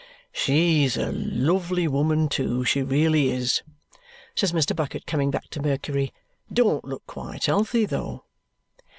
"She's a lovely woman, too, she really is," says Mr. Bucket, coming back to Mercury. "Don't look quite healthy though."